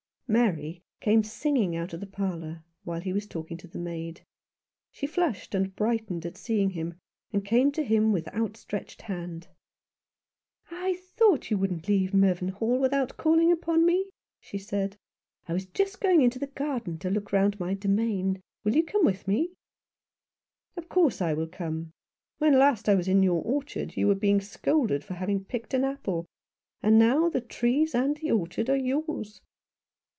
Mary came singing out of the parlour, while he was talking to the maid. She flushed and brightened at seeing him, and came to him with outstretched hand. "I thought you wouldn't leave Mervynhall without calling upon me," she said. " I was just going into the garden to look round my domain. Will you come with me ?"" Of course I will come. When last I was in your orchard you were being scolded for having picked an apple ; and now the trees and the orchard are yours."